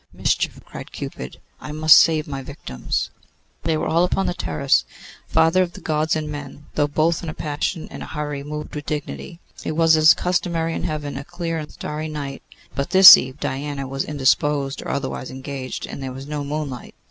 'Mischief!' cried Cupid; 'I must save my victims.' They were all upon the terrace. The Father of Gods and men, though both in a passion and a hurry, moved with dignity. It was, as customary in Heaven, a clear and starry night; but this eve Diana was indisposed, or otherwise engaged, and there was no moonlight.